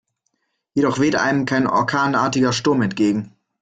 Jedoch weht einem kein orkanartiger Sturm entgegen.